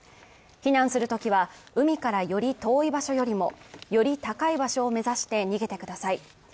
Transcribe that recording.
避難するときは、海からより遠い場所よりもより高い場所を目指して逃げてください。